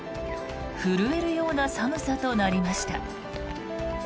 震えるような寒さとなりました。